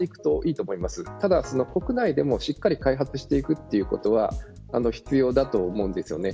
ただ国内でもしっかり開発していくということは必要だと思うんです。